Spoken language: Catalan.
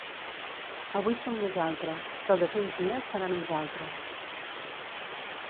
Avui som nosaltres, però d’aquí uns dies seran uns altres.